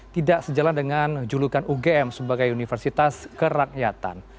tidak sejalan dengan julukan ugm sebagai universitas kerakyatan